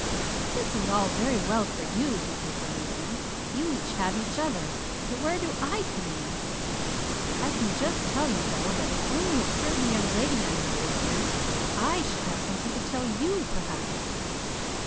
"This is all very well for YOU," he complained then. "You each have each other. But where do I come in? I can just tell you, though, that if only a certain young lady I know were here, I should have something to tell YOU, perhaps."